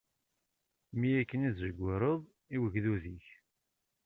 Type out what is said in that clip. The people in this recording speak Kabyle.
Mi akken i tzewwireḍ i ugdud-ik.